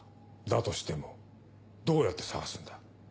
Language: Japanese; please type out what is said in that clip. だとしてもどうやって捜すんだ？